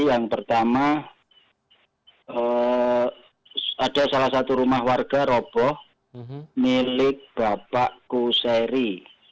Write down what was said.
yang pertama ada salah satu rumah warga roboh milik bapak kuseri